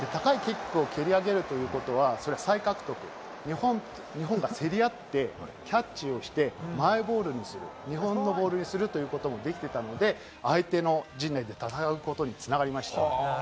高いキックを蹴り上げるということは、日本が競り合って、キャッチをして、マイボールにする、日本のボールにすることもできていたので、相手の陣内で戦うことに繋がりました。